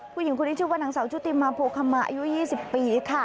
ผู้หญิงคนนี้ชื่อว่านางสาวชุติมาโพคำมาอายุ๒๐ปีค่ะ